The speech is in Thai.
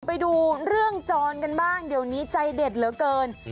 ไปดูเรื่องจรกันบ้างเดี๋ยวนี้ใจเด็ดเหลือเกิน